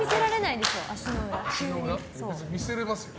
見せられますよ。